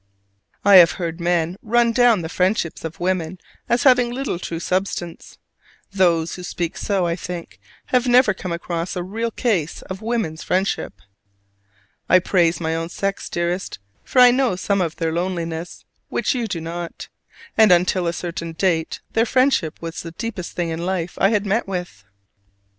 I have heard men run down the friendships of women as having little true substance. Those who speak so, I think, have never come across a real case of woman's friendship. I praise my own sex, dearest, for I know some of their loneliness, which you do not: and until a certain date their friendship was the deepest thing in life I had met with.